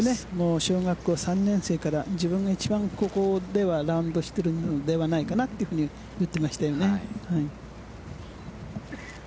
小学校３年生から自分が一番、ここではラウンドしているんではないかと言っていましたよね。